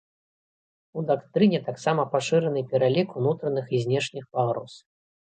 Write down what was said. У дактрыне таксама пашыраны пералік унутраных і знешніх пагроз.